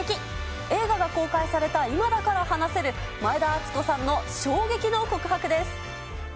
映画が公開された今だから話せる、前田敦子さんの衝撃の告白です。